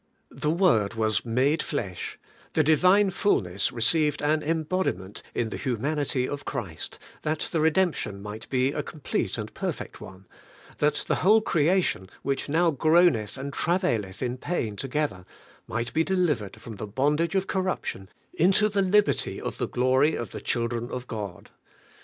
The Word was made fleshy the Divine fulness received an emhodiment in the humanity of Christ, that the redemption might be a complete and perfect one; that the whole crea tion, which now groaneth and travaileth in pain to gether, might be delivered from the bondage of corruption into the liberty of the glory of the chil dren of God.